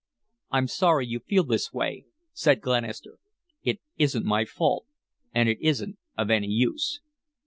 "I'm sorry you feel this way," said Glenister. "It isn't my fault, and it isn't of any use."